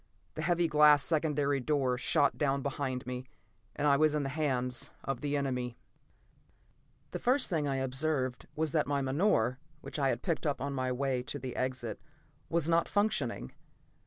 The heavy glass secondary door shot down behind me, and I was in the hands of the enemy. The first thing I observed was that my menore, which I had picked up on my way to the exit, was not functioning.